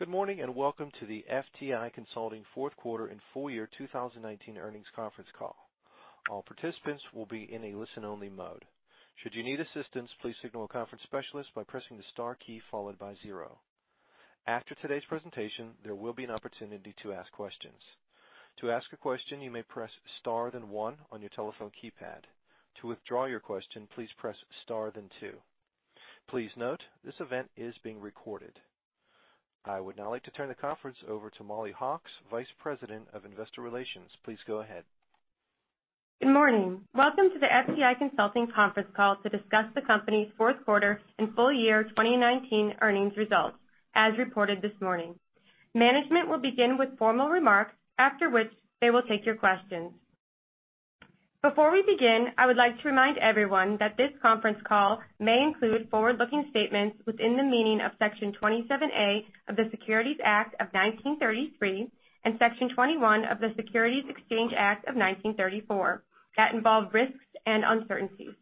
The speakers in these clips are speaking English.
Good morning, and welcome to the FTI Consulting fourth quarter and full year 2019 earnings conference call. All participants will be in a listen-only mode. Should you need assistance, please signal a conference specialist by pressing the star key followed by zero. After today's presentation, there will be an opportunity to ask questions. To ask a question, you may press star then one on your telephone keypad. To withdraw your question, please press star then two. Please note, this event is being recorded. I would now like to turn the conference over to Mollie Hawkes, Vice President of Investor Relations. Please go ahead. Good morning. Welcome to the FTI Consulting conference call to discuss the company's fourth quarter and full-year 2019 earnings results, as reported this morning. Management will begin with formal remarks, after which they will take your questions. Before we begin, I would like to remind everyone that this conference call may include forward-looking statements within the meaning of Section 27A of the Securities Act of 1933 and Section 21E of the Securities Exchange Act of 1934 that involve risks and uncertainties.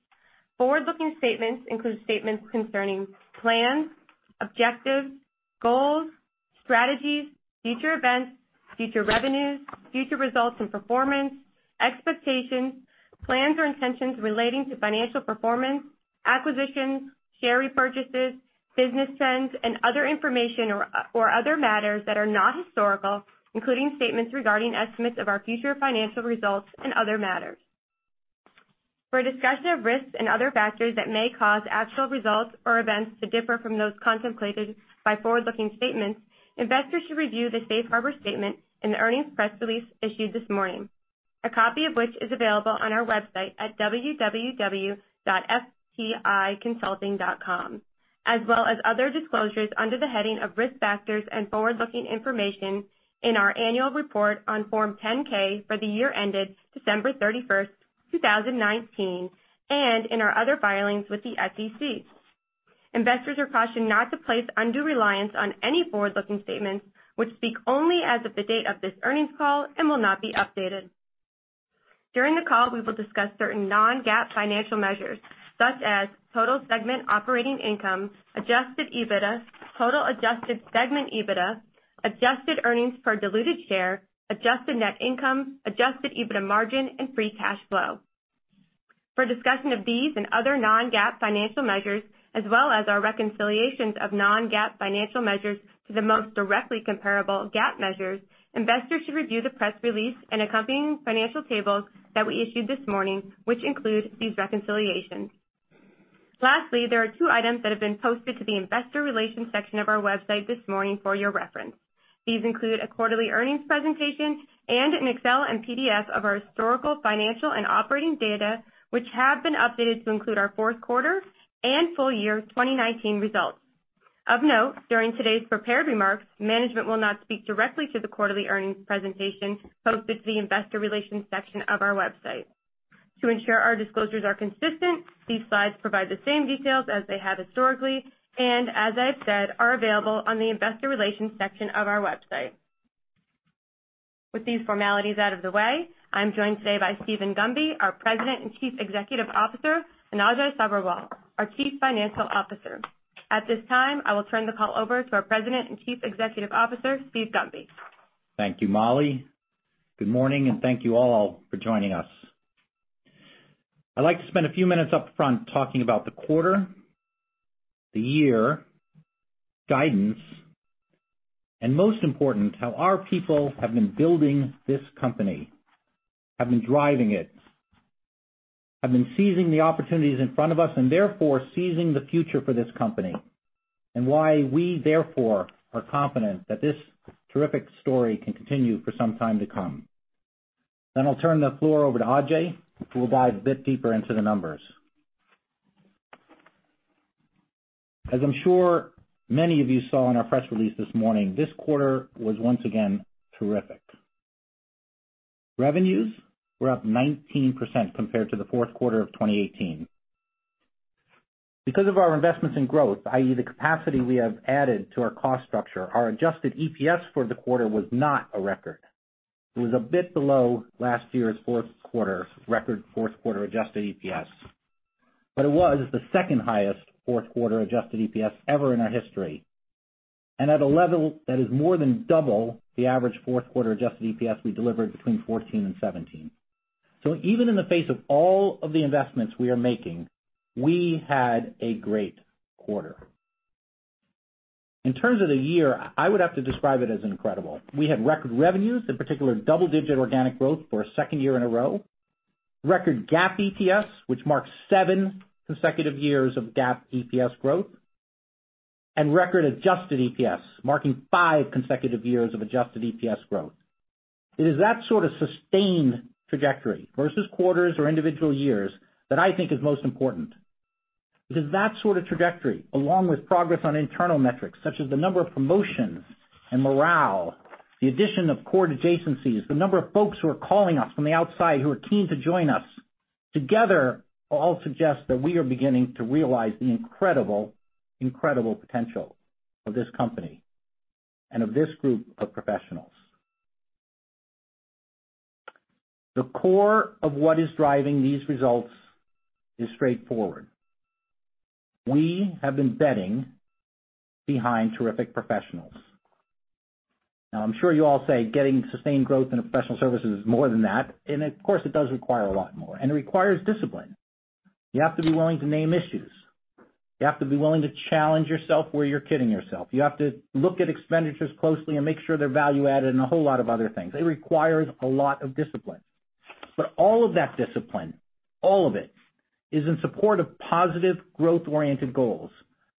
Forward-looking statements include statements concerning plans, objectives, goals, strategies, future events, future revenues, future results and performance, expectations, plans or intentions relating to financial performance, acquisitions, share repurchases, business trends, and other information or other matters that are not historical, including statements regarding estimates of our future financial results and other matters. For a discussion of risks and other factors that may cause actual results or events to differ from those contemplated by forward-looking statements, investors should review the safe harbor statement in the earnings press release issued this morning, a copy of which is available on our website at www.fticonsulting.com, as well as other disclosures under the heading of Risk Factors and Forward-Looking Information in our annual report on Form 10-K for the year ended December 31st, 2019, and in our other filings with the SEC. Investors are cautioned not to place undue reliance on any forward-looking statements, which speak only as of the date of this earnings call and will not be updated. During the call, we will discuss certain non-GAAP financial measures such as total segment operating income, adjusted EBITDA, total adjusted segment EBITDA, adjusted earnings per diluted share, adjusted net income, adjusted EBITDA margin, and free cash flow. For a discussion of these and other non-GAAP financial measures, as well as our reconciliations of non-GAAP financial measures to the most directly comparable GAAP measures, investors should review the press release and accompanying financial tables that we issued this morning, which include these reconciliations. There are two items that have been posted to the investor relations section of our website this morning for your reference. These include a quarterly earnings presentation and an Excel and PDF of our historical financial and operating data, which have been updated to include our fourth quarter and full year 2019 results. Of note, during today's prepared remarks, management will not speak directly to the quarterly earnings presentation posted to the investor relations section of our website. To ensure our disclosures are consistent, these slides provide the same details as they have historically, and as I've said, are available on the investor relations section of our website. With these formalities out of the way, I'm joined today by Steven Gunby, our President and Chief Executive Officer, and Ajay Sabherwal, our Chief Financial Officer. At this time, I will turn the call over to our President and Chief Executive Officer, Steven Gunby. Thank you, Mollie. Good morning, and thank you all for joining us. I'd like to spend a few minutes up front talking about the quarter, the year, guidance, and most important, how our people have been building this company, have been driving it, have been seizing the opportunities in front of us and therefore seizing the future for this company, and why we, therefore, are confident that this terrific story can continue for some time to come. I'll turn the floor over to Ajay, who will dive a bit deeper into the numbers. As I'm sure many of you saw in our press release this morning, this quarter was once again terrific. Revenues were up 19% compared to the fourth quarter of 2018. Because of our investments in growth, i.e. the capacity we have added to our cost structure, our adjusted EPS for the quarter was not a record. It was a bit below last year's fourth quarter, record fourth quarter adjusted EPS. It was the second highest fourth quarter adjusted EPS ever in our history, and at a level that is more than double the average fourth quarter adjusted EPS we delivered between 2014 and 2017. Even in the face of all of the investments we are making, we had a great quarter. In terms of the year, I would have to describe it as incredible. We had record revenues, in particular double-digit organic growth for a second year in a row, record GAAP EPS, which marks seven consecutive years of GAAP EPS growth, and record adjusted EPS, marking five consecutive years of adjusted EPS growth. It is that sort of sustained trajectory versus quarters or individual years that I think is most important. Because that sort of trajectory, along with progress on internal metrics such as the number of promotions and morale, the addition of core adjacencies, the number of folks who are calling us from the outside who are keen to join us, together all suggest that we are beginning to realize the incredible potential of this company and of this group of professionals. The core of what is driving these results is straightforward. We have been betting behind terrific professionals. Now, I'm sure you all say getting sustained growth in a professional service is more than that, and of course it does require a lot more, and it requires discipline. You have to be willing to name issues. You have to be willing to challenge yourself where you're kidding yourself. You have to look at expenditures closely and make sure they're value added and a whole lot of other things. It requires a lot of discipline. All of that discipline, all of it, is in support of positive growth-oriented goals.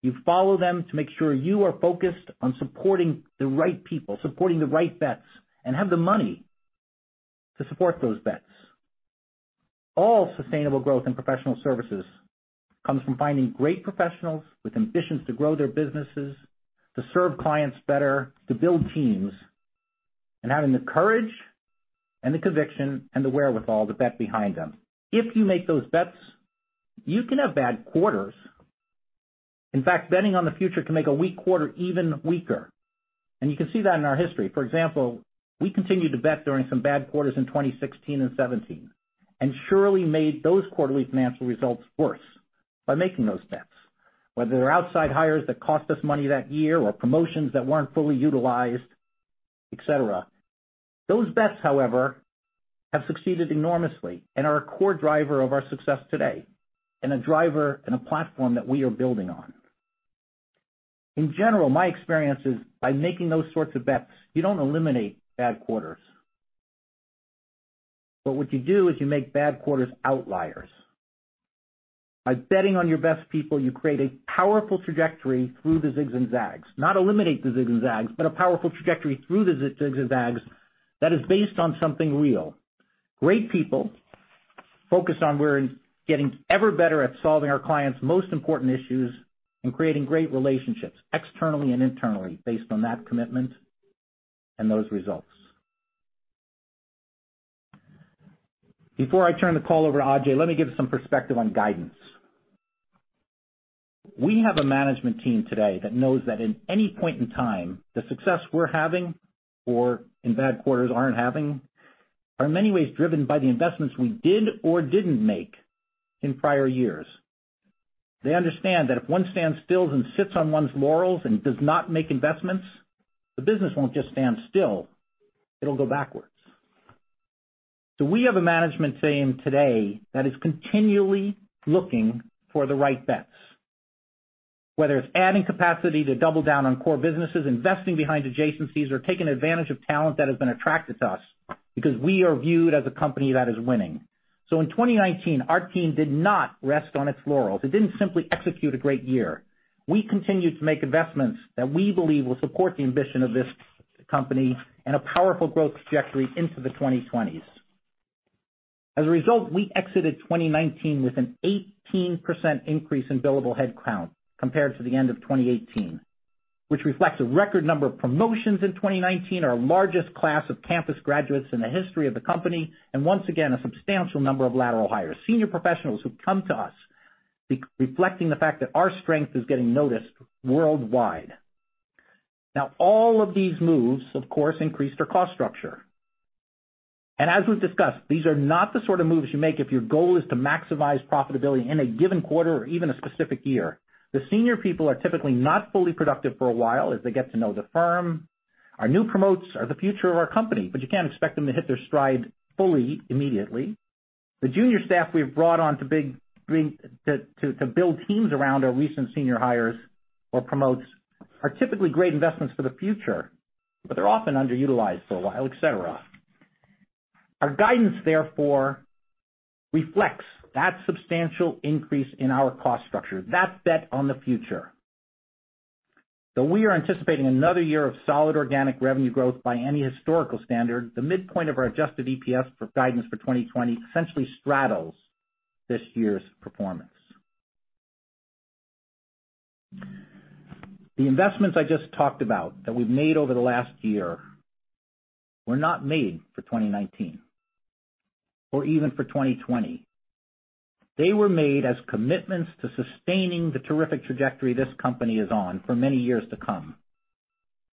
You follow them to make sure you are focused on supporting the right people, supporting the right bets, and have the money to support those bets. All sustainable growth in professional services comes from finding great professionals with ambitions to grow their businesses, to serve clients better, to build teams, and having the courage and the conviction and the wherewithal to bet behind them. If you make those bets, you can have bad quarters. In fact, betting on the future can make a weak quarter even weaker, and you can see that in our history. For example, we continued to bet during some bad quarters in 2016 and 2017, and surely made those quarterly financial results worse by making those bets. Whether they're outside hires that cost us money that year or promotions that weren't fully utilized, et cetera. Those bets, however, have succeeded enormously and are a core driver of our success today, and a driver and a platform that we are building on. In general, my experience is by making those sorts of bets, you don't eliminate bad quarters. What you do is you make bad quarters outliers. By betting on your best people, you create a powerful trajectory through the zigs and zags. Not eliminate the zigs and zags, but a powerful trajectory through the zigs and zags that is based on something real. Great people focused on getting ever better at solving our clients' most important issues and creating great relationships externally and internally based on that commitment and those results. Before I turn the call over to Ajay, let me give some perspective on guidance. We have a management team today that knows that in any point in time, the success we're having, or in bad quarters aren't having, are in many ways driven by the investments we did or didn't make in prior years. They understand that if one stands still and sits on one's laurels and does not make investments, the business won't just stand still, it'll go backwards. We have a management team today that is continually looking for the right bets, whether it's adding capacity to double down on core businesses, investing behind adjacencies, or taking advantage of talent that has been attracted to us because we are viewed as a company that is winning. In 2019, our team did not rest on its laurels. It didn't simply execute a great year. We continued to make investments that we believe will support the ambition of this company and a powerful growth trajectory into the 2020s. As a result, we exited 2019 with an 18% increase in billable headcount compared to the end of 2018, which reflects a record number of promotions in 2019, our largest class of campus graduates in the history of the company, and once again, a substantial number of lateral hires. Senior professionals who've come to us reflecting the fact that our strength is getting noticed worldwide. All of these moves, of course, increased our cost structure. As we've discussed, these are not the sort of moves you make if your goal is to maximize profitability in a given quarter or even a specific year. The senior people are typically not fully productive for a while as they get to know the firm. Our new promotes are the future of our company, but you can't expect them to hit their stride fully immediately. The junior staff we've brought on to build teams around our recent senior hires or promotes are typically great investments for the future, but they're often underutilized for a while, et cetera. Our guidance, therefore, reflects that substantial increase in our cost structure. That bet on the future. Though we are anticipating another year of solid organic revenue growth by any historical standard, the midpoint of our adjusted EPS for guidance for 2020 essentially straddles this year's performance. The investments I just talked about that we've made over the last year were not made for 2019 or even for 2020. They were made as commitments to sustaining the terrific trajectory this company is on for many years to come.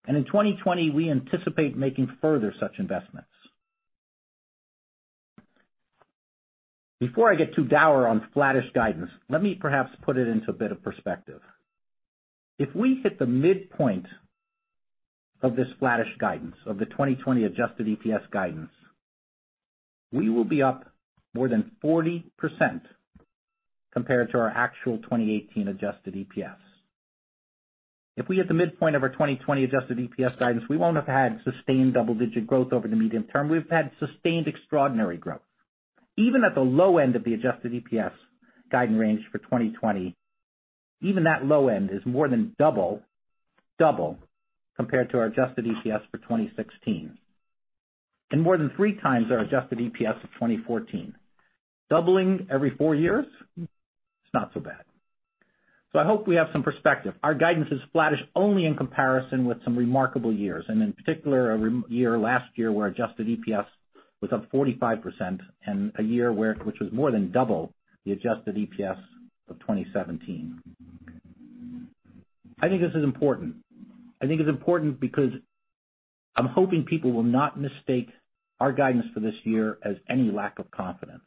In 2020, we anticipate making further such investments. Before I get too dour on flattish guidance, let me perhaps put it into a bit of perspective. If we hit the midpoint of this flattish guidance, of the 2020 adjusted EPS guidance, we will be up more than 40% compared to our actual 2018 adjusted EPS. If we hit the midpoint of our 2020 adjusted EPS guidance, we won't have had sustained double-digit growth over the medium term. We've had sustained extraordinary growth. Even at the low end of the adjusted EPS guidance range for 2020, even that low end is more than double compared to our adjusted EPS for 2016. More than three times our adjusted EPS of 2014. Doubling every four years? It's not so bad. I hope we have some perspective. Our guidance is flattish only in comparison with some remarkable years, and in particular, a year last year where adjusted EPS was up 45% and a year which was more than double the adjusted EPS of 2017. I think this is important. I think it's important because I'm hoping people will not mistake our guidance for this year as any lack of confidence.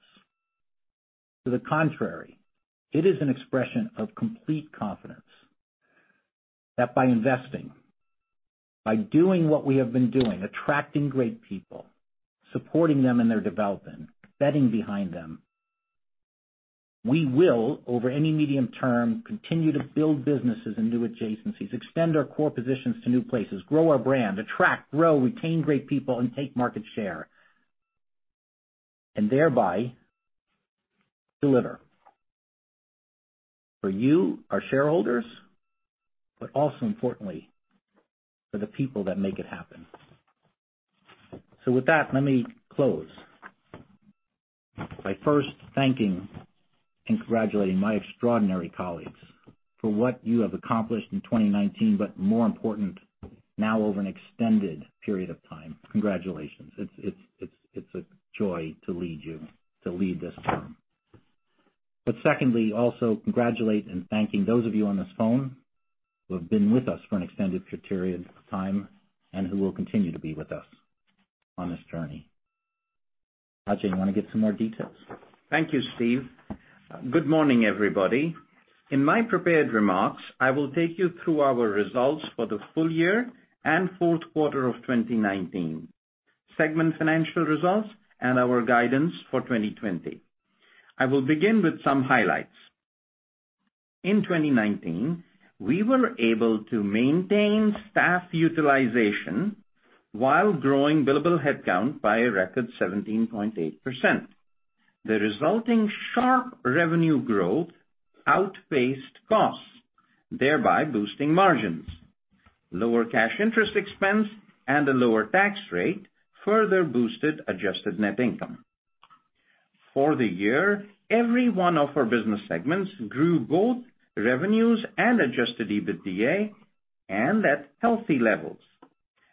To the contrary, it is an expression of complete confidence that by investing, by doing what we have been doing, attracting great people, supporting them in their development, betting behind them, we will, over any medium term, continue to build businesses and new adjacencies, extend our core positions to new places, grow our brand, attract, grow, retain great people, and take market share, and thereby deliver for you, our shareholders, but also importantly for the people that make it happen. With that, let me close by first thanking and congratulating my extraordinary colleagues for what you have accomplished in 2019, but more important now over an extended period of time. Congratulations. It's a joy to lead you, to lead this firm. Secondly, also congratulate and thanking those of you on this phone who have been with us for an extended period of time and who will continue to be with us on this journey. Ajay, you want to give some more details? Thank you, Steve. Good morning, everybody. In my prepared remarks, I will take you through our results for the full year and fourth quarter of 2019, segment financial results, and our guidance for 2020. I will begin with some highlights. In 2019, we were able to maintain staff utilization while growing billable headcount by a record 17.8%. The resulting sharp revenue growth outpaced costs, thereby boosting margins. Lower cash interest expense and a lower tax rate further boosted adjusted net income. For the year, every one of our business segments grew both revenues and adjusted EBITDA, and at healthy levels.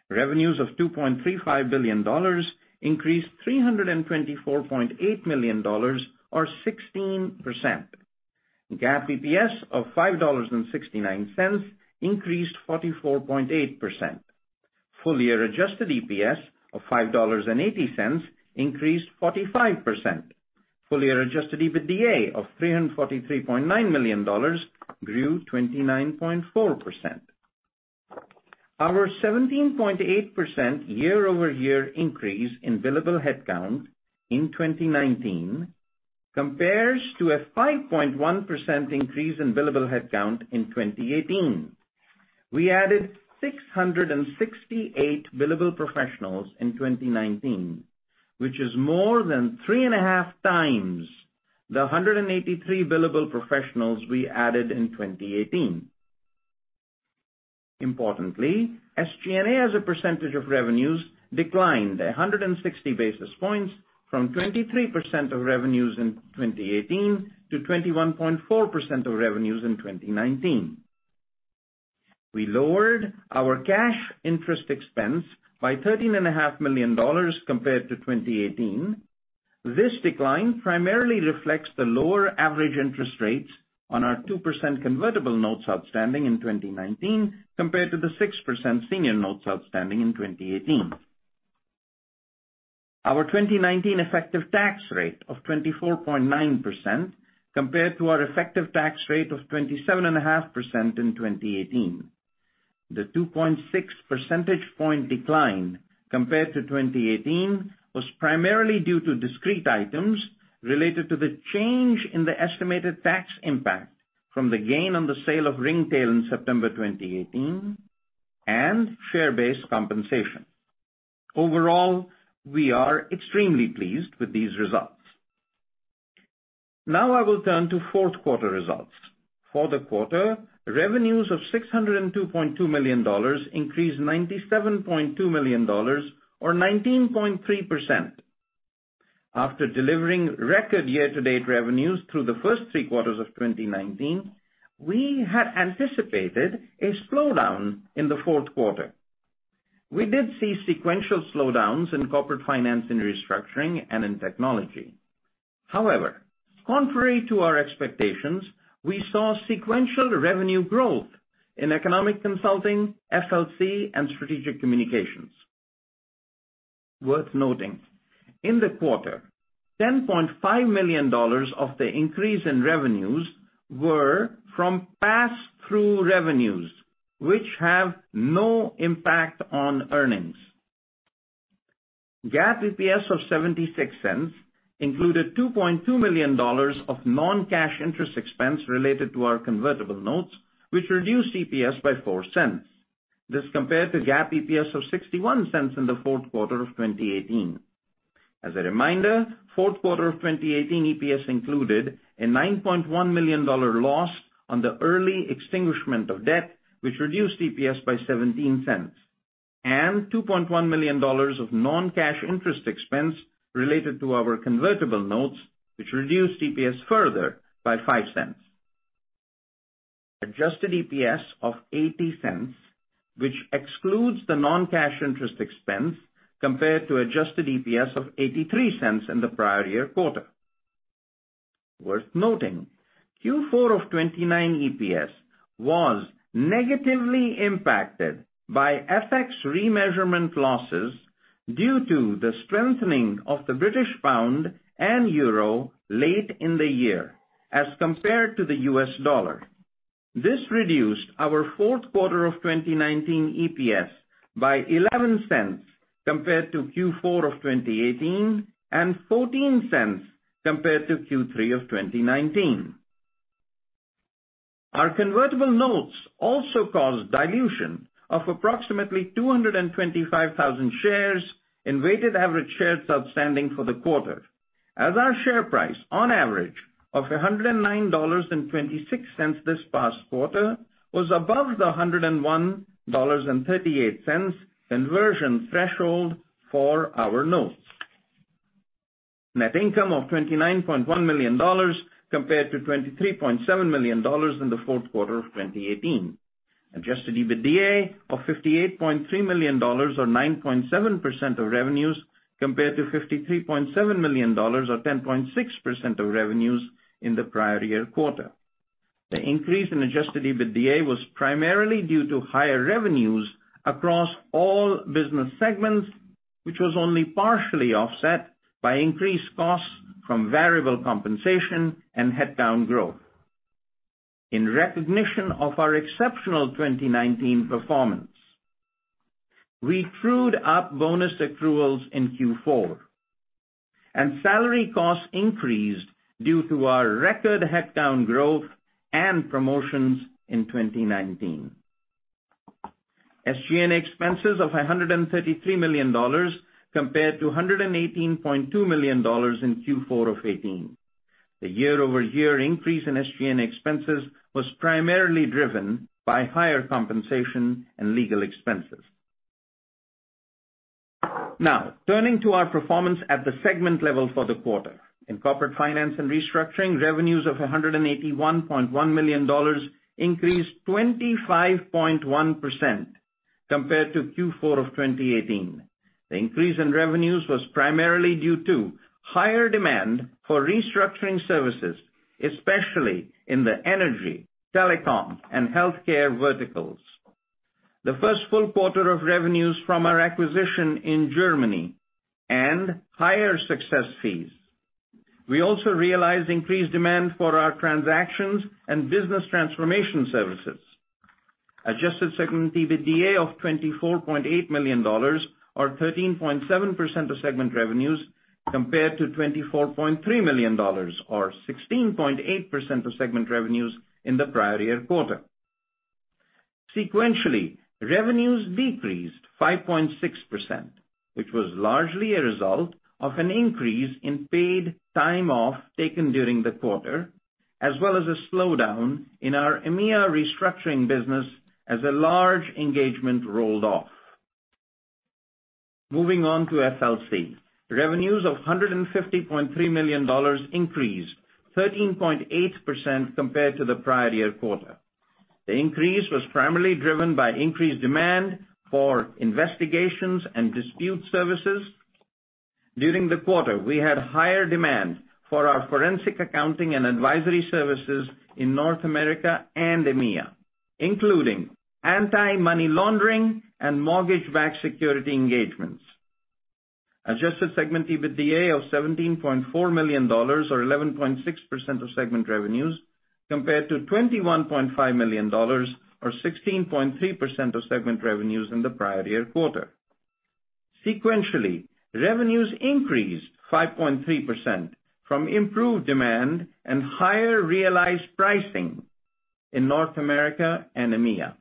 Revenues of $2.35 billion increased $324.8 million or 16%. GAAP EPS of $5.69 increased 44.8%. Full-year adjusted EPS of $5.80 increased 45%. Full year adjusted EBITDA of $343.9 million grew 29.4%. Our 17.8% year-over-year increase in billable headcount in 2019 compares to a 5.1% increase in billable headcount in 2018. We added 668 billable professionals in 2019, which is more than three and a half times the 183 billable professionals we added in 2018. Importantly, SG&A as a percentage of revenues declined 160 basis points from 23% of revenues in 2018 to 21.4% of revenues in 2019. We lowered our cash interest expense by $13.5 million compared to 2018. This decline primarily reflects the lower average interest rates on our 2% convertible notes outstanding in 2019 compared to the 6% senior notes outstanding in 2018. Our 2019 effective tax rate of 24.9% compared to our effective tax rate of 27.5% in 2018. The 2.6 percentage point decline compared to 2018 was primarily due to discrete items related to the change in the estimated tax impact from the gain on the sale of Ringtail in September 2018 and share-based compensation. Overall, we are extremely pleased with these results. I will turn to fourth quarter results. For the quarter, revenues of $602.2 million increased $97.2 million or 19.3%. After delivering record year-to-date revenues through the first three quarters of 2019, we had anticipated a slowdown in the fourth quarter. We did see sequential slowdowns in Corporate Finance & Restructuring and in Technology. Contrary to our expectations, we saw sequential revenue growth in Economic Consulting, FLC, and Strategic Communications. Worth noting, in the quarter, $10.5 million of the increase in revenues were from pass-through revenues, which have no impact on earnings. GAAP EPS of $0.76 included $2.2 million of non-cash interest expense related to our convertible notes, which reduced EPS by $0.04. This compared to GAAP EPS of $0.61 in the fourth quarter of 2018. As a reminder, fourth quarter of 2018 EPS included a $9.1 million loss on the early extinguishment of debt, which reduced EPS by $0.17 and $2.1 million of non-cash interest expense related to our convertible notes, which reduced EPS further by $0.05. Adjusted EPS of $0.80, which excludes the non-cash interest expense compared to adjusted EPS of $0.83 in the prior year quarter. Worth noting, Q4 of 2019 EPS was negatively impacted by FX remeasurement losses due to the strengthening of the British pound and euro late in the year as compared to the US dollar. This reduced our fourth quarter of 2019 EPS by $0.11 compared to Q4 of 2018, and $0.14 compared to Q3 of 2019. Our convertible notes also caused dilution of approximately 225,000 shares in weighted average shares outstanding for the quarter, as our share price on average of $109.26 this past quarter was above the $101.38 conversion threshold for our notes. Net income of $29.1 million compared to $23.7 million in the fourth quarter of 2018. Adjusted EBITDA of $58.3 million or 9.7% of revenues compared to $53.7 million or 10.6% of revenues in the prior-year-quarter. The increase in Adjusted EBITDA was primarily due to higher revenues across all business segments, which was only partially offset by increased costs from variable compensation and headcount growth. In recognition of our exceptional 2019 performance, we trued up bonus accruals in Q4, and salary costs increased due to our record head count growth and promotions in 2019. SG&A expenses of $133 million compared to $118.2 million in Q4 of 2018. The year-over-year increase in SG&A expenses was primarily driven by higher compensation and legal expenses. Turning to our performance at the segment level for the quarter. In Corporate Finance & Restructuring, revenues of $181.1 million increased 25.1% compared to Q4 of 2018. The increase in revenues was primarily due to higher demand for restructuring services, especially in the energy, telecom, and healthcare verticals. The first full quarter of revenues from our acquisition in Germany and higher success fees. We also realized increased demand for our transactions and business transformation services. Adjusted segment EBITDA of $24.8 million or 13.7% of segment revenues compared to $24.3 million or 16.8% of segment revenues in the prior year quarter. Sequentially, revenues decreased 5.6%, which was largely a result of an increase in paid time off taken during the quarter, as well as a slowdown in our EMEA restructuring business as a large engagement rolled off. Moving on to FLC. Revenues of $150.3 million increased 13.8% compared to the prior year quarter. The increase was primarily driven by increased demand for investigations and dispute services. During the quarter, we had higher demand for our forensic accounting and advisory services in North America and EMEA, including anti-money laundering and mortgage-backed security engagements. Adjusted segment EBITDA of $17.4 million or 11.6% of segment revenues compared to $21.5 million or 16.3% of segment revenues in the prior-year-quarter. Sequentially, revenues increased 5.3% from improved demand and higher realized pricing in North America and EMEA.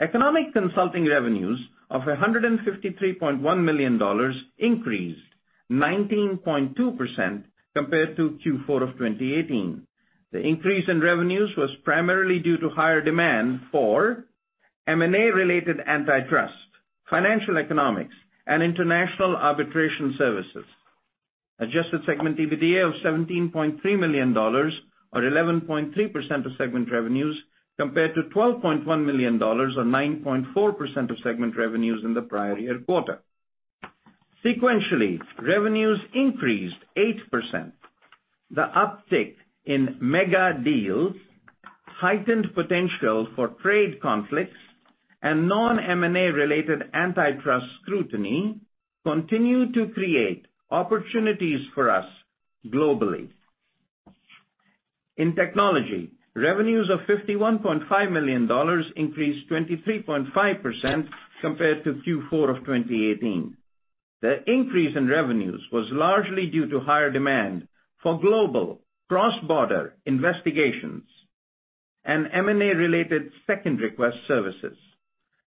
Economic Consulting revenues of $153.1 million increased 19.2% compared to Q4 of 2018. The increase in revenues was primarily due to higher demand for M&A-related antitrust, financial economics, and international arbitration services. Adjusted segment EBITDA of $17.3 million or 11.3% of segment revenues compared to $12.1 million or 9.4% of segment revenues in the prior-year-quarter. Sequentially, revenues increased 8%. The uptick in mega deals heightened potential for trade conflicts and non-M&A-related antitrust scrutiny continue to create opportunities for us globally. In Technology, revenues of $51.5 million increased 23.5% compared to Q4 of 2018. The increase in revenues was largely due to higher demand for global cross-border investigations and M&A-related second request services.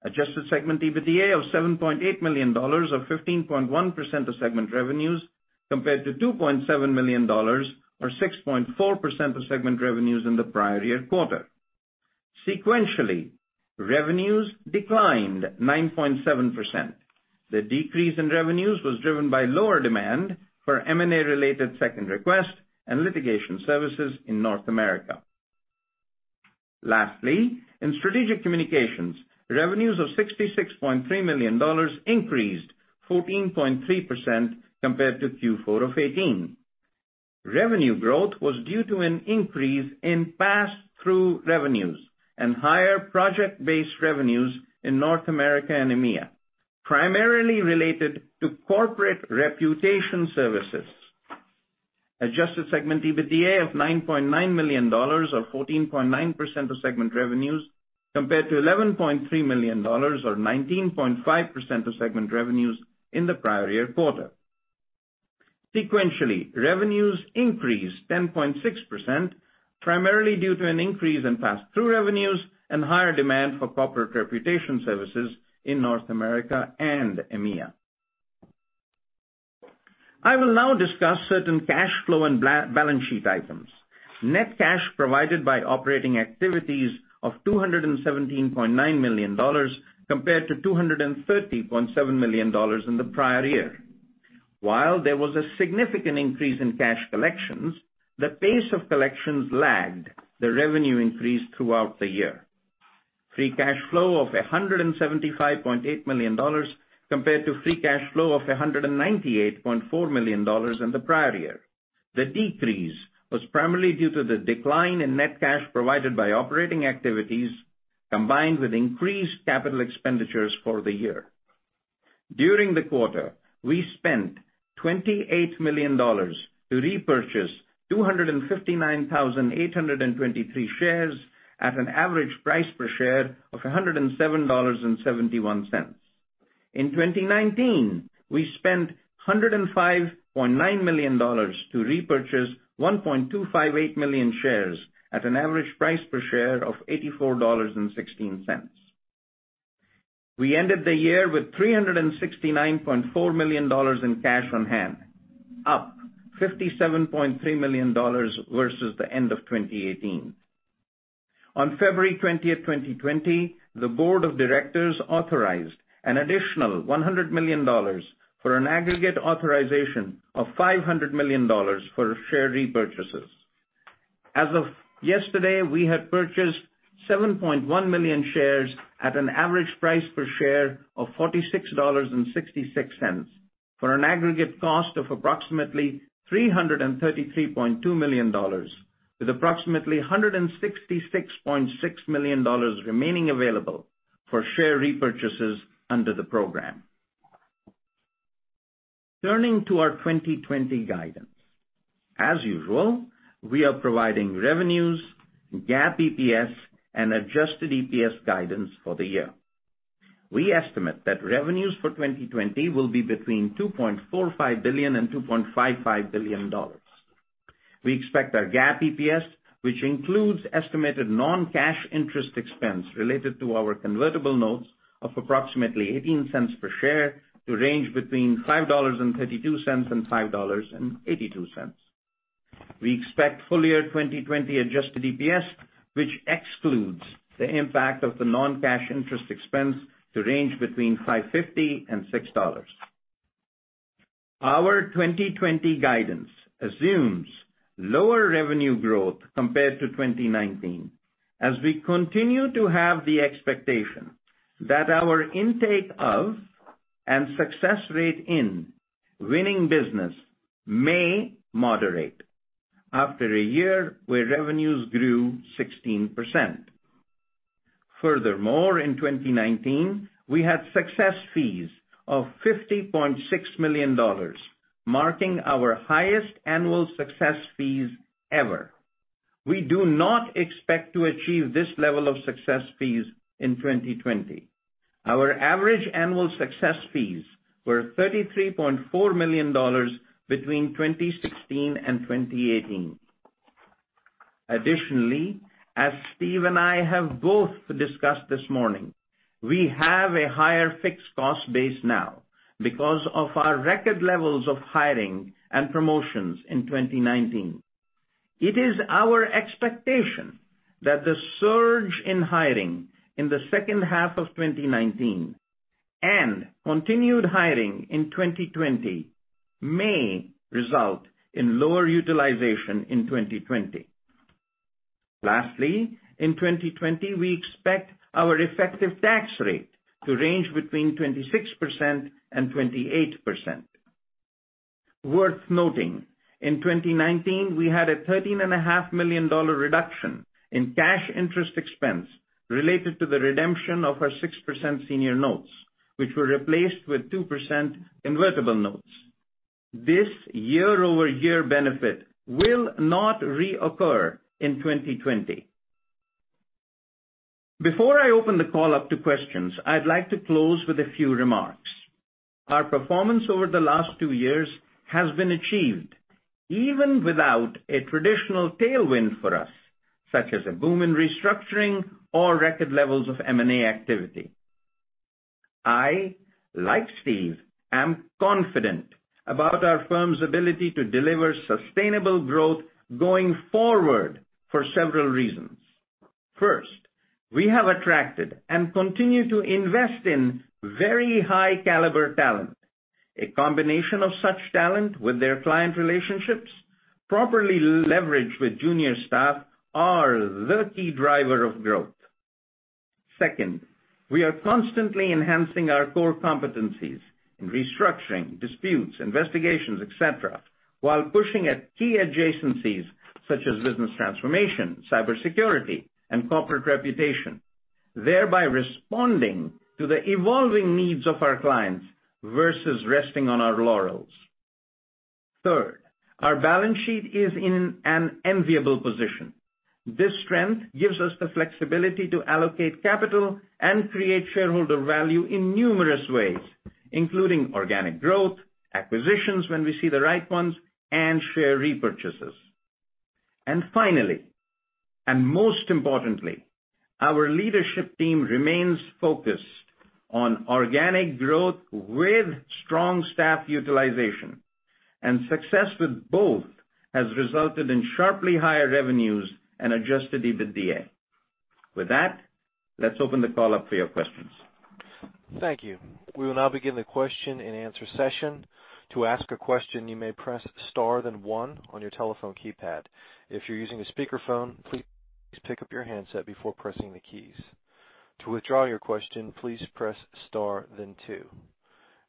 Adjusted segment EBITDA of $7.8 million or 15.1% of segment revenues compared to $2.7 million or 6.4% of segment revenues in the prior year quarter. Sequentially, revenues declined 9.7%. The decrease in revenues was driven by lower demand for M&A-related second request and litigation services in North America. Lastly, in Strategic Communications, revenues of $66.3 million increased 14.3% compared to Q4 of '18. Revenue growth was due to an increase in pass-through revenues and higher project-based revenues in North America and EMEA, primarily related to corporate reputation services. Adjusted segment EBITDA of $9.9 million or 14.9% of segment revenues, compared to $11.3 million or 19.5% of segment revenues in the prior year quarter. Sequentially, revenues increased 10.6%, primarily due to an increase in pass-through revenues and higher demand for corporate reputation services in North America and EMEA. I will now discuss certain cash flow and balance sheet items. Net cash provided by operating activities of $217.9 million compared to $230.7 million in the prior year. While there was a significant increase in cash collections, the pace of collections lagged the revenue increase throughout the year. Free cash flow of $175.8 million compared to free cash flow of $198.4 million in the prior year. The decrease was primarily due to the decline in net cash provided by operating activities, combined with increased capital expenditures for the year. During the quarter, we spent $28 million to repurchase 259,823 shares at an average price per share of $107.71. In 2019, we spent $105.9 million to repurchase 1.258 million shares at an average price per share of $84.16. We ended the year with $369.4 million in cash on hand, up $57.3 million versus the end of 2018. On February 20th, 2020, the board of directors authorized an additional $100 million for an aggregate authorization of $500 million for share repurchases. As of yesterday, we had purchased 7.1 million shares at an average price per share of $46.66, for an aggregate cost of approximately $333.2 million, with approximately $166.6 million remaining available for share repurchases under the program. Turning to our 2020 guidance. As usual, we are providing revenues, GAAP EPS, and adjusted EPS guidance for the year. We estimate that revenues for 2020 will be between $2.45 billion and $2.55 billion. We expect our GAAP EPS, which includes estimated non-cash interest expense related to our convertible notes of approximately $0.18 per share, to range between $5.32 and $5.82. We expect full-year 2020 adjusted EPS, which excludes the impact of the non-cash interest expense to range between $5.50 and $6. Our 2020 guidance assumes lower revenue growth compared to 2019, as we continue to have the expectation that our intake of and success rate in winning business may moderate after a year where revenues grew 16%. Furthermore, in 2019, we had success fees of $50.6 million, marking our highest annual success fees ever. We do not expect to achieve this level of success fees in 2020. Our average annual success fees were $33.4 million between 2016 and 2018. Additionally, as Steve and I have both discussed this morning, we have a higher fixed cost base now because of our record levels of hiring and promotions in 2019. It is our expectation that the surge in hiring in the second half of 2019 and continued hiring in 2020 may result in lower utilization in 2020. Lastly, in 2020, we expect our effective tax rate to range between 26% and 28%. Worth noting, in 2019, we had a $13.5 million reduction in cash interest expense related to the redemption of our 6% senior notes, which were replaced with 2% convertible notes. This year-over-year benefit will not reoccur in 2020. Before I open the call up to questions, I'd like to close with a few remarks. Our performance over the last two years has been achieved even without a traditional tailwind for us, such as a boom in restructuring or record levels of M&A activity. I, like Steve, am confident about our firm's ability to deliver sustainable growth going forward for several reasons. First, we have attracted and continue to invest in very high caliber talent. A combination of such talent with their client relationships, properly leveraged with junior staff, are the key driver of growth. We are constantly enhancing our core competencies in restructuring, disputes, investigations, et cetera, while pushing at key adjacencies such as business transformation, cybersecurity, and corporate reputation, thereby responding to the evolving needs of our clients versus resting on our laurels. Our balance sheet is in an enviable position. This strength gives us the flexibility to allocate capital and create shareholder value in numerous ways, including organic growth, acquisitions when we see the right ones, and share repurchases. Finally, and most importantly, our leadership team remains focused on organic growth with strong staff utilization. Success with both has resulted in sharply higher revenues and adjusted EBITDA. With that, let's open the call up for your questions. Thank you. We will now begin the question-and-answer session. To ask a question, you may press star then one on your telephone keypad. If you're using a speakerphone, please pick up your handset before pressing the keys. To withdraw your question, please press star then two.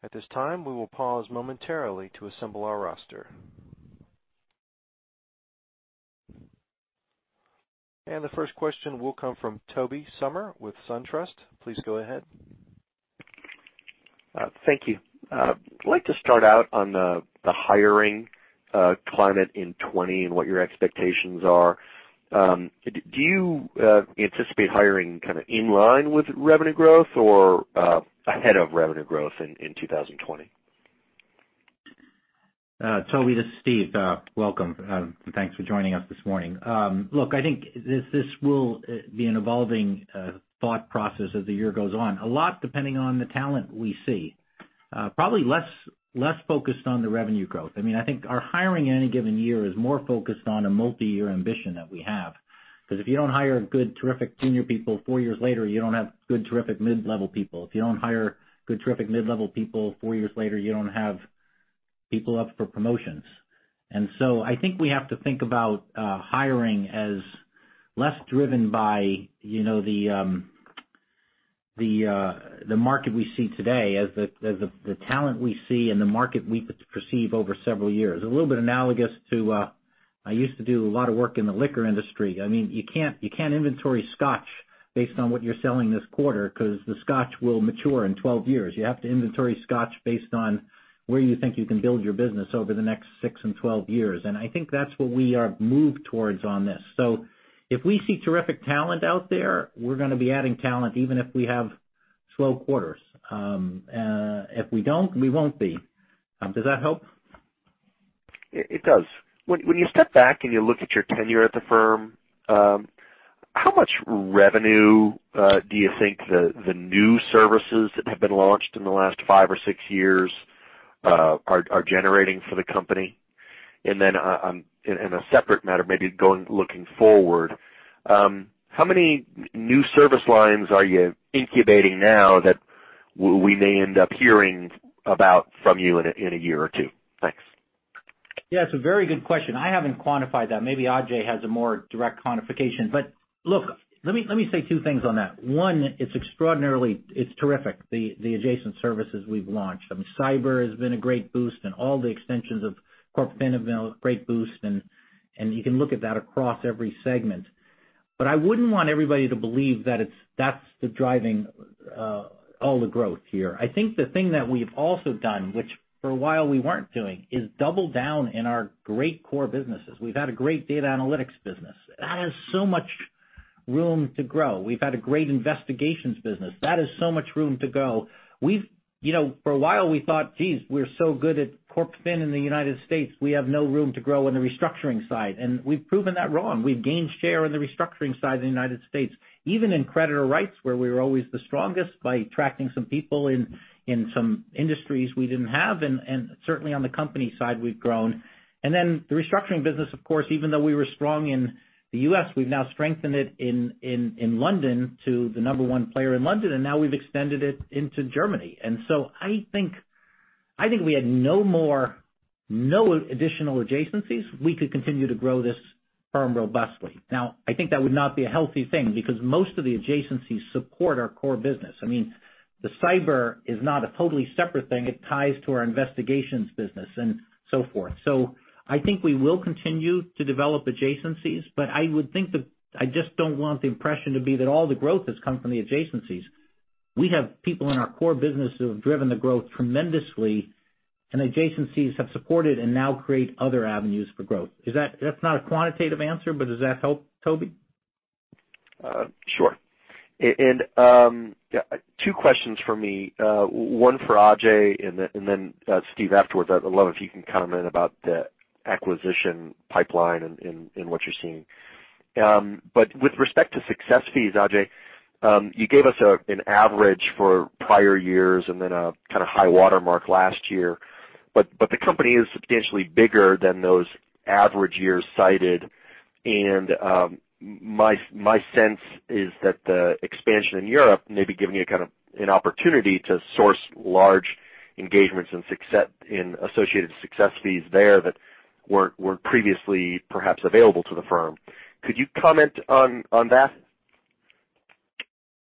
At this time, we will pause momentarily to assemble our roster. The first question will come from Tobey Sommer with SunTrust. Please go ahead. Thank you. I'd like to start out on the hiring climate in 2020 and what your expectations are. Do you anticipate hiring kind of in line with revenue growth or ahead of revenue growth in 2020? Tobey, this is Steven. Welcome, and thanks for joining us this morning. Look, I think this will be an evolving thought process as the year goes on. A lot depending on the talent we see. Probably less focused on the revenue growth. I think our hiring any given year is more focused on a multi-year ambition that we have. If you don't hire good, terrific junior people, four years later, you don't have good, terrific mid-level people. If you don't hire good, terrific mid-level people, four years later, you don't have people up for promotions. I think we have to think about hiring as less driven by the market we see today as the talent we see and the market we perceive over several years. I used to do a lot of work in the liquor industry. You can't inventory scotch based on what you're selling this quarter because the scotch will mature in 12 years. You have to inventory scotch based on where you think you can build your business over the next six and 12 years. I think that's what we are moved towards on this. If we see terrific talent out there, we're going to be adding talent even if we have slow quarters. If we don't, we won't be. Does that help? It does. When you step back and you look at your tenure at the firm, how much revenue do you think the new services that have been launched in the last five or six years are generating for the company? In a separate matter, maybe looking forward, how many new service lines are you incubating now that we may end up hearing about from you in a year or two? Thanks. Yeah, it's a very good question. I haven't quantified that. Maybe Ajay has a more direct quantification. Look, let me say two things on that. One, it's extraordinarily terrific, the adjacent services we've launched. Cyber has been a great boost and all the extensions of CorpFin have been a great boost and you can look at that across every segment. I wouldn't want everybody to believe that's the driving all the growth here. I think the thing that we've also done, which for a while we weren't doing, is double down in our great core businesses. We've had a great data analytics business. That has so much room to grow. We've had a great investigations business. That has so much room to go. For a while, we thought, "Geez, we're so good at CorpFin in the U.S. We have no room to grow in the restructuring side. We've proven that wrong. We've gained share in the restructuring side in the U.S. Even in creditor rights, where we were always the strongest by attracting some people in some industries we didn't have, and certainly on the company side, we've grown. The restructuring business, of course, even though we were strong in the U.S., we've now strengthened it in London to the number one player in London, now we've extended it into Germany. I think we had no additional adjacencies we could continue to grow this firm robustly. Now, I think that would not be a healthy thing because most of the adjacencies support our core business. The cyber is not a totally separate thing. It ties to our investigations business and so forth. I think we will continue to develop adjacencies, but I just don't want the impression to be that all the growth has come from the adjacencies. We have people in our core business who have driven the growth tremendously, and adjacencies have supported and now create other avenues for growth. That's not a quantitative answer, but does that help, Tobey? Sure. Two questions from me, one for Ajay, and then Steve afterwards. I'd love if you can comment about the acquisition pipeline and what you're seeing. With respect to success fees, Ajay, you gave us an average for prior years and then a kind of high watermark last year. The company is substantially bigger than those average years cited. My sense is that the expansion in Europe may be giving you an opportunity to source large engagements and associated success fees there that weren't previously perhaps available to the firm. Could you comment on that?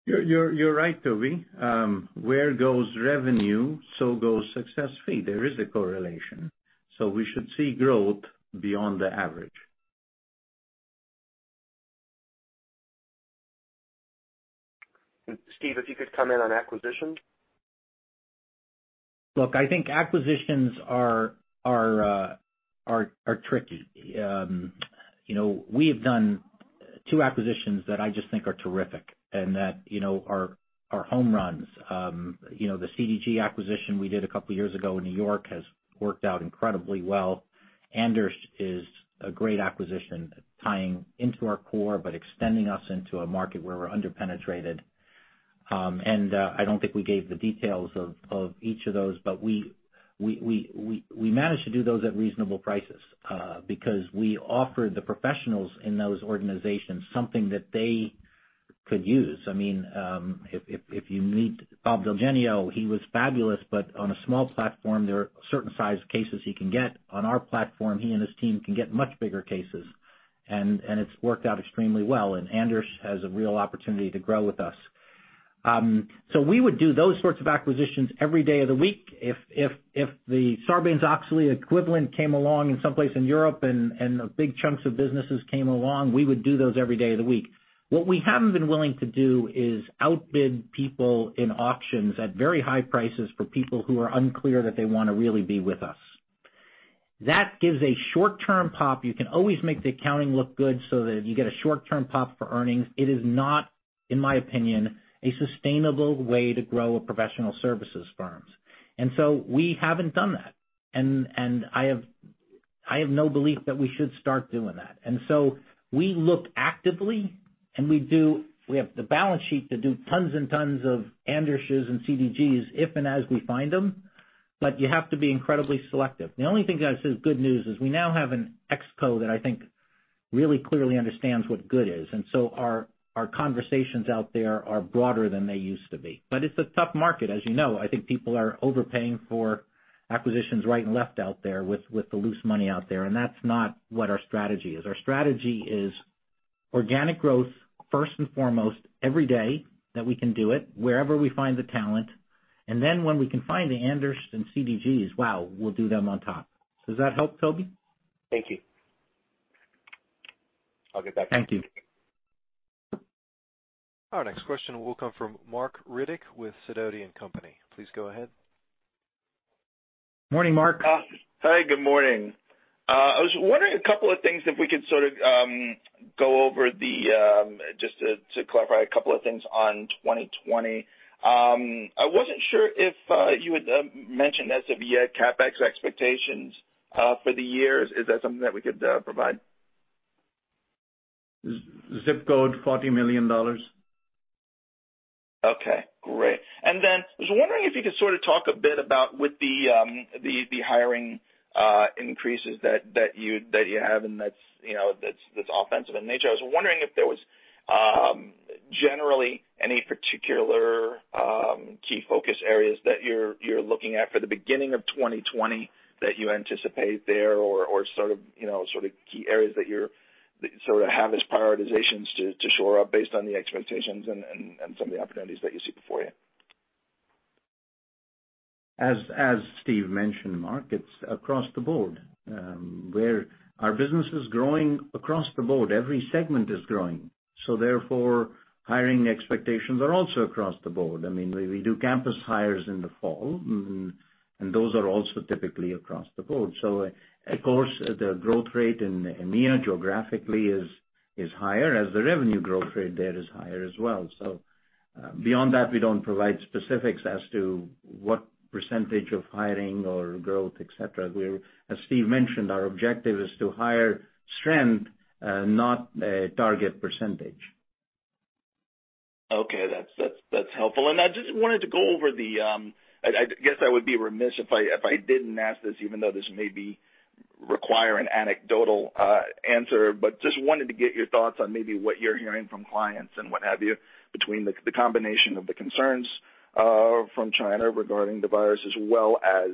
You're right, Tobey. Where goes revenue, so goes success fee. There is a correlation, so we should see growth beyond the average. Steve, if you could comment on acquisitions. Look, I think acquisitions are tricky. We have done two acquisitions that I just think are terrific and that are home runs. The CDG acquisition we did a couple of years ago in New York has worked out incredibly well. Andersch is a great acquisition, tying into our core, but extending us into a market where we're under-penetrated. I don't think we gave the details of each of those, but we managed to do those at reasonable prices because we offered the professionals in those organizations something that they could use. If you meet Bob Del Genio, he was fabulous, but on a small platform, there are certain size cases he can get. On our platform, he and his team can get much bigger cases, and it's worked out extremely well. Andersch has a real opportunity to grow with us. We would do those sorts of acquisitions every day of the week if the Sarbanes-Oxley equivalent came along in some place in Europe and the big chunks of businesses came along, we would do those every day of the week. What we haven't been willing to do is outbid people in auctions at very high prices for people who are unclear that they want to really be with us. That gives a short-term pop. You can always make the accounting look good so that you get a short-term pop for earnings. It is not, in my opinion, a sustainable way to grow a professional services firms. We haven't done that. I have no belief that we should start doing that. We look actively, and we have the balance sheet to do tons and tons of Anderschs and CDGs if and as we find them, but you have to be incredibly selective. The only thing that is good news is we now have an ExCo that I think really clearly understands what good is. Our conversations out there are broader than they used to be. It's a tough market, as you know. I think people are overpaying for acquisitions right and left out there with the loose money out there, and that's not what our strategy is. Our strategy is organic growth, first and foremost, every day that we can do it, wherever we find the talent. When we can find the Andersch and CDGs, wow, we'll do them on top. Does that help, Tobey? Thank you. I'll get back to you. Thank you. Our next question will come from Marc Riddick with Sidoti & Company. Please go ahead. Morning, Marc. Hi, good morning. I was wondering a couple of things, if we could sort of go over just to clarify a couple of things on 2020. I wasn't sure if you had mentioned as of yet, CapEx expectations for the year. Is that something that we could provide? Zip code, $40 million. Okay, great. I was wondering if you could sort of talk a bit about with the hiring increases that you have and that's offensive in nature. I was wondering if there was generally any particular key focus areas that you're looking at for the beginning of 2020 that you anticipate there or sort of key areas that you sort of have as prioritizations to shore up based on the expectations and some of the opportunities that you see before you. As Steve mentioned, Marc, it's across the board. Our business is growing across the board. Every segment is growing. Therefore, hiring expectations are also across the board. We do campus hires in the fall, and those are also typically across the board. Of course, the growth rate in EMEA geographically is higher as the revenue growth rate there is higher as well. Beyond that, we don't provide specifics as to what percentage of hiring or growth, et cetera. As Steve mentioned, our objective is to hire strength, not a target percentage. Okay, that's helpful. I guess I would be remiss if I didn't ask this, even though this may require an anecdotal answer, just wanted to get your thoughts on maybe what you're hearing from clients and what have you, between the combination of the concerns from China regarding the virus, as well as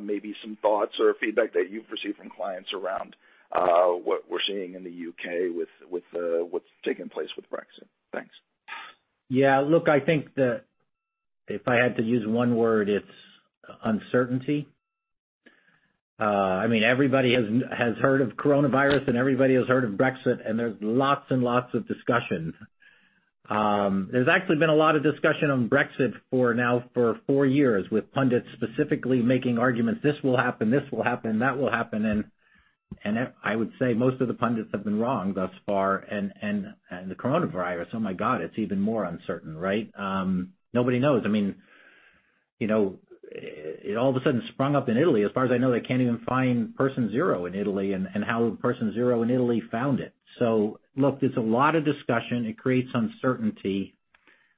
maybe some thoughts or feedback that you've received from clients around what we're seeing in the U.K. with what's taking place with Brexit. Thanks. Yeah, look, I think that if I had to use one word, it's uncertainty. Everybody has heard of coronavirus, and everybody has heard of Brexit, and there's lots and lots of discussion. There's actually been a lot of discussion on Brexit for now for four years, with pundits specifically making arguments, "This will happen, this will happen, that will happen." I would say most of the pundits have been wrong thus far. The coronavirus, oh, my God, it's even more uncertain, right? Nobody knows. It all of a sudden sprung up in Italy. As far as I know, they can't even find person zero in Italy and how person zero in Italy found it. Look, there's a lot of discussion. It creates uncertainty.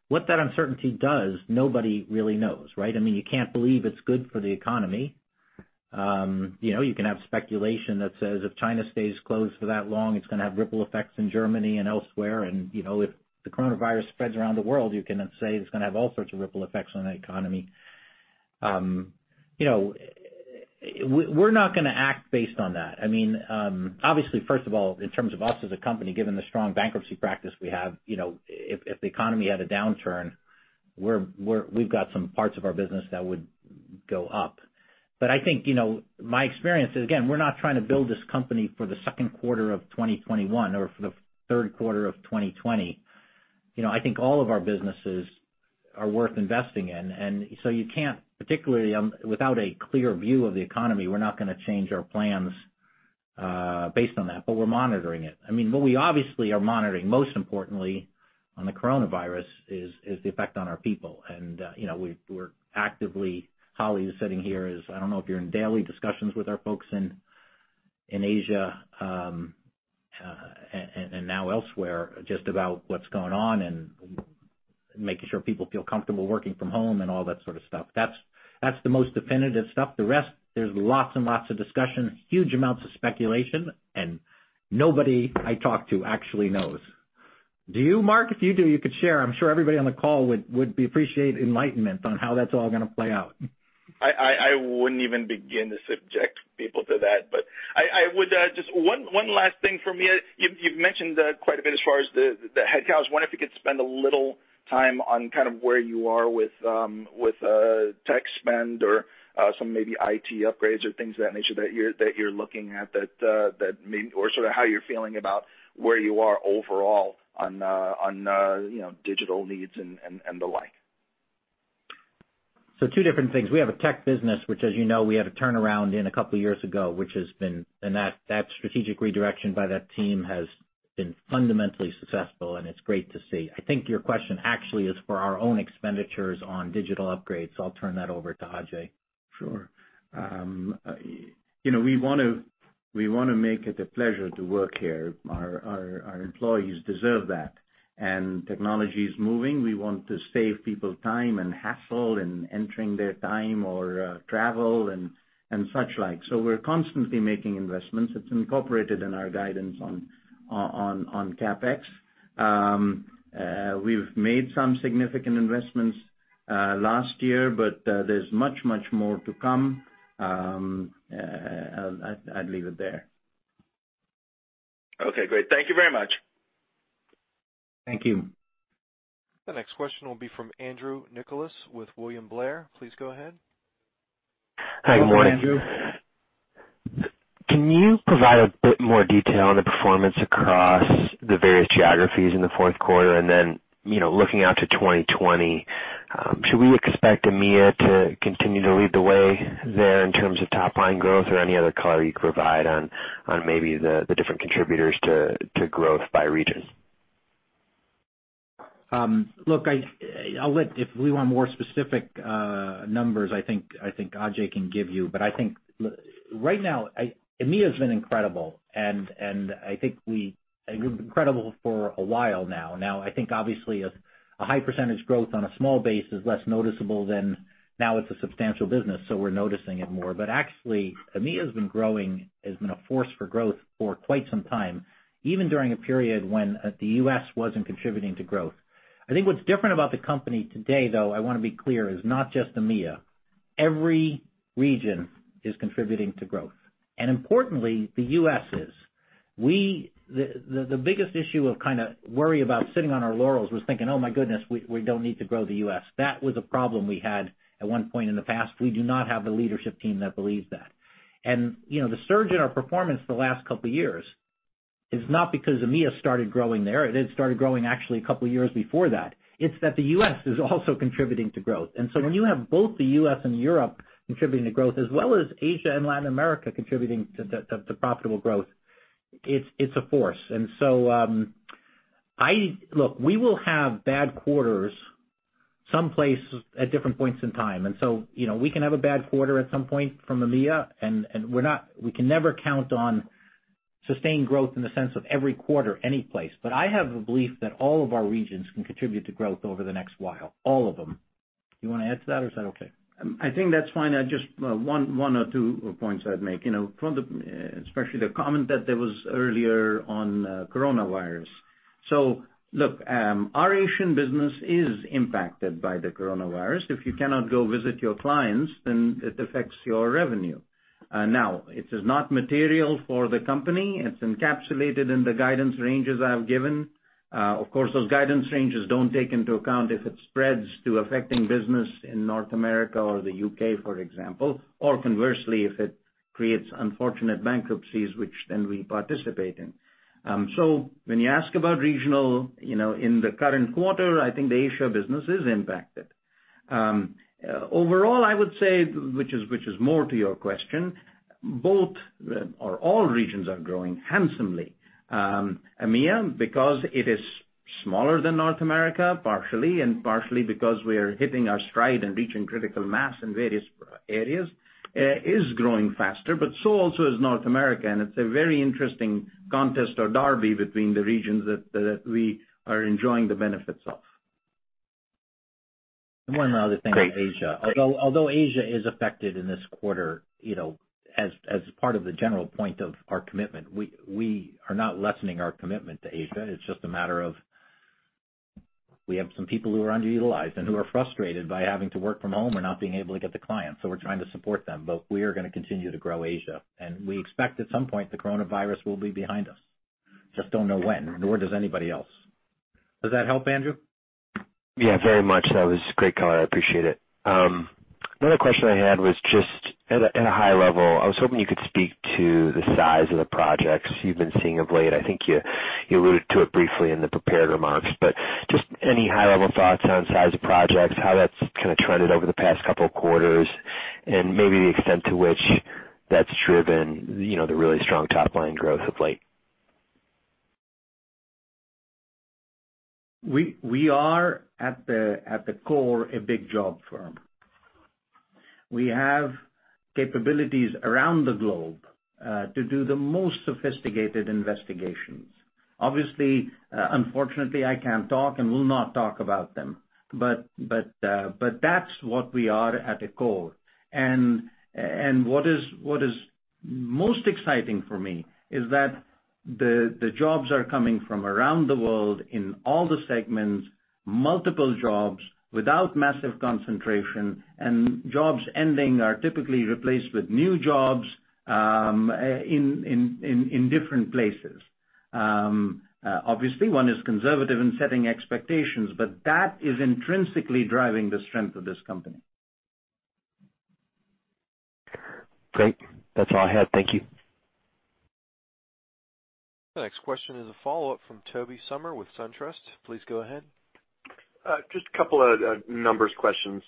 What that uncertainty does, nobody really knows, right? You can't believe it's good for the economy. You can have speculation that says if China stays closed for that long, it's going to have ripple effects in Germany and elsewhere. If the coronavirus spreads around the world, you can then say it's going to have all sorts of ripple effects on the economy. We're not going to act based on that. Obviously, first of all, in terms of us as a company, given the strong bankruptcy practice we have, if the economy had a downturn, we've got some parts of our business that would go up. I think, my experience is, again, we're not trying to build this company for the second quarter of 2021 or for the third quarter of 2020. I think all of our businesses are worth investing in. You can't, particularly without a clear view of the economy, we're not going to change our plans based on that, but we're monitoring it. What we obviously are monitoring, most importantly on the coronavirus, is the effect on our people. We're actively, Holly is sitting here, I don't know if you're in daily discussions with our folks in Asia and now elsewhere, just about what's going on and making sure people feel comfortable working from home and all that sort of stuff. That's the most definitive stuff. The rest, there's lots and lots of discussion, huge amounts of speculation, and nobody I talk to actually knows. Do you, Marc? If you do, you could share. I'm sure everybody on the call would appreciate enlightenment on how that's all going to play out. I wouldn't even begin to subject people to that. Just one last thing from me. You've mentioned quite a bit as far as the headcounts. I wonder if you could spend a little time on kind of where you are with tech spend or some maybe IT upgrades or things of that nature that you're looking at, or how you're feeling about where you are overall on digital needs and the like. Two different things. We have a tech business, which, as you know, we had a turnaround in a couple of years ago. That strategic redirection by that team has been fundamentally successful, and it's great to see. I think your question actually is for our own expenditures on digital upgrades. I'll turn that over to Ajay. Sure. We want to make it a pleasure to work here. Our employees deserve that. Technology is moving. We want to save people time and hassle in entering their time or travel and such like. We're constantly making investments. It's incorporated in our guidance on CapEx. We've made some significant investments last year. There's much, much more to come. I'd leave it there. Okay, great. Thank you very much. Thank you. The next question will be from Andrew Nicholas with William Blair. Please go ahead. Hi, Andrew. Good morning. Can you provide a bit more detail on the performance across the various geographies in the fourth quarter? Looking out to 2020, should we expect EMEA to continue to lead the way there in terms of top-line growth? Any other color you could provide on maybe the different contributors to growth by region. Look, if we want more specific numbers, I think Ajay can give you. I think right now, EMEA's been incredible, and incredible for a while now. I think obviously, a high percentage growth on a small base is less noticeable than now it's a substantial business, so we're noticing it more. Actually, EMEA has been a force for growth for quite some time, even during a period when the U.S. wasn't contributing to growth. I think what's different about the company today, though, I want to be clear, is not just EMEA. Every region is contributing to growth. Importantly, the U.S. is. The biggest issue of kind of worry about sitting on our laurels was thinking, "Oh my goodness, we don't need to grow the U.S." That was a problem we had at one point in the past. We do not have a leadership team that believes that. The surge in our performance the last couple of years is not because EMEA started growing there. It had started growing actually a couple of years before that. It's that the U.S. is also contributing to growth. When you have both the U.S. and Europe contributing to growth, as well as Asia and Latin America contributing to profitable growth, it's a force. Look, we will have bad quarters someplace at different points in time. We can have a bad quarter at some point from EMEA, and we can never count on sustained growth in the sense of every quarter, any place. I have a belief that all of our regions can contribute to growth over the next while. Al l of them. You want to add to that, or is that okay? I think that's fine. Just one or two points I'd make, especially the comment that there was earlier on coronavirus. Look, our Asian business is impacted by the coronavirus. If you cannot go visit your clients, then it affects your revenue. Now, it is not material for the company. It's encapsulated in the guidance ranges I have given. Of course, those guidance ranges don't take into account if it spreads to affecting business in North America or the U.K., for example, or conversely, if it creates unfortunate bankruptcies, which then we participate in. When you ask about regional, in the current quarter, I think the Asia business is impacted. Overall, I would say, which is more to your question, all regions are growing handsomely. EMEA, because it is smaller than North America, partially, and partially because we are hitting our stride and reaching critical mass in various areas, is growing faster, but so also is North America. It's a very interesting contest or derby between the regions that we are enjoying the benefits of. One other thing on Asia. Although Asia is affected in this quarter, as part of the general point of our commitment, we are not lessening our commitment to Asia. It's just a matter of we have some people who are underutilized and who are frustrated by having to work from home and not being able to get the clients, so we're trying to support them. We are going to continue to grow Asia, and we expect at some point the coronavirus will be behind us. Just don't know when, nor does anybody else. Does that help, Andrew? Very much. That was great color. I appreciate it. Another question I had was just at a high level, I was hoping you could speak to the size of the projects you've been seeing of late. I think you alluded to it briefly in the prepared remarks, but just any high-level thoughts on size of projects, how that's kind of trended over the past couple of quarters, and maybe the extent to which that's driven the really strong top-line growth of late. We are, at the core, a big job firm. We have capabilities around the globe to do the most sophisticated investigations. Obviously, unfortunately, I can't talk and will not talk about them. That's what we are at the core. What is most exciting for me is that the jobs are coming from around the world in all the segments, multiple jobs without massive concentration, and jobs ending are typically replaced with new jobs in different places. Obviously, one is conservative in setting expectations, but that is intrinsically driving the strength of this company. Great. That's all I had. Thank you. The next question is a follow-up from Tobey Sommer with SunTrust. Please go ahead. Just a couple of numbers questions.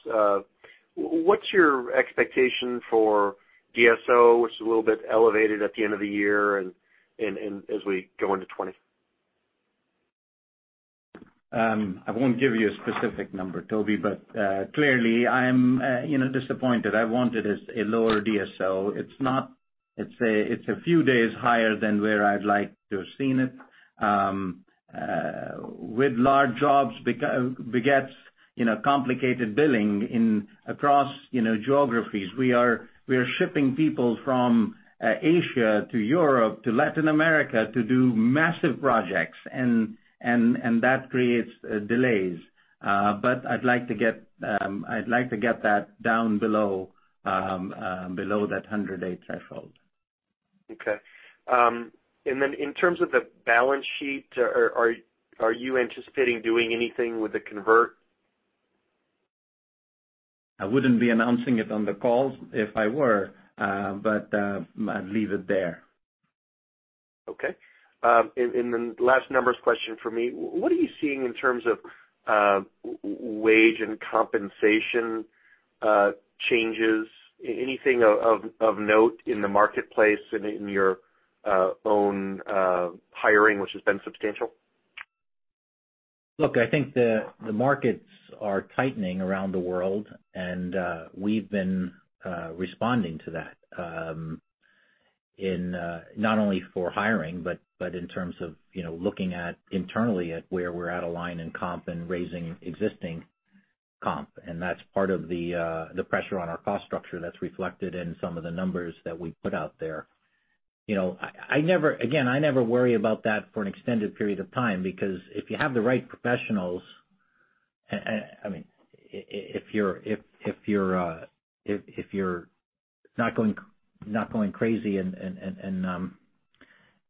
What's your expectation for DSO? It's a little bit elevated at the end of the year and as we go into 2020. I won't give you a specific number, Tobey. Clearly I am disappointed. I wanted a lower DSO. It's a few days higher than where I'd like to have seen it. With large jobs begets complicated billing across geographies. We are shipping people from Asia to Europe to Latin America to do massive projects, and that creates delays. I'd like to get that down below that 100-day threshold. Okay. In terms of the balance sheet, are you anticipating doing anything with the convert? I wouldn't be announcing it on the call if I were, but I'd leave it there. Okay. Last numbers question for me. What are you seeing in terms of wage and compensation changes? Anything of note in the marketplace in your own hiring, which has been substantial? Look, I think the markets are tightening around the world, and we've been responding to that in not only for hiring, but in terms of looking internally at where we're out of line in comp and raising existing comp. That's part of the pressure on our cost structure that's reflected in some of the numbers that we put out there. Again, I never worry about that for an extended period of time, because if you have the right professionals, if you're not going crazy and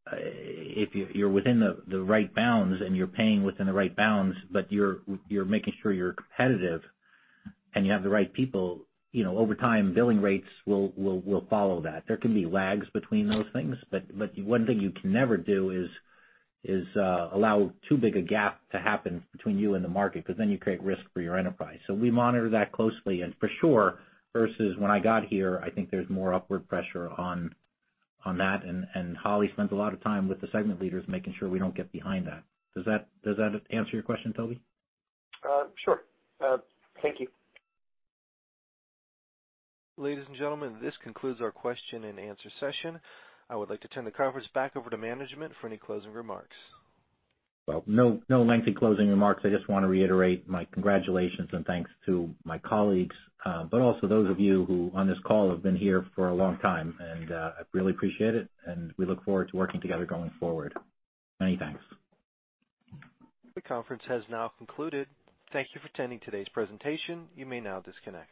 if you're within the right bounds and you're paying within the right bounds, but you're making sure you're competitive and you have the right people, over time, billing rates will follow that. There can be lags between those things, but one thing you can never do is allow too big a gap to happen between you and the market, because then you create risk for your enterprise. We monitor that closely and for sure, versus when I got here, I think there's more upward pressure on that. Holly spends a lot of time with the segment leaders making sure we don't get behind that. Does that answer your question, Tobey? Sure. Thank you. Ladies and gentlemen, this concludes our question-and-answer session. I would like to turn the conference back over to management for any closing remarks. Well, no lengthy closing remarks. I just want to reiterate my congratulations and thanks to my colleagues, but also those of you who on this call have been here for a long time, and I really appreciate it, and we look forward to working together going forward. Many thanks. The conference has now concluded. Thank you for attending today's presentation. You may now disconnect.